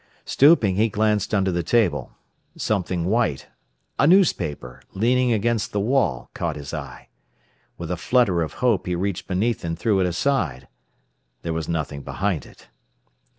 Stooping, he glanced under the table. Something white, a newspaper, leaning against the wall, caught his eye. With a flutter of hope he reached beneath and threw it aside. There was nothing behind it.